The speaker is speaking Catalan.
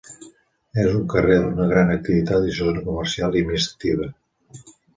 És un carrer d'una gran activitat i zona comercial i administrativa.